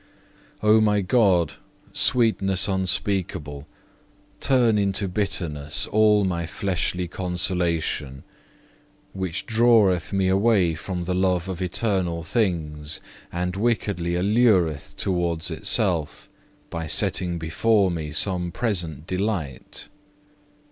3. O my God, sweetness unspeakable, turn into bitterness all my fleshly consolation, which draweth me away from the love of eternal things, and wickedly allureth toward itself by setting before me some present delight.